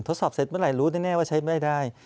ทศพเสร็จเมื่อไหร่รู้แน่ว่าใช้ไม่ได้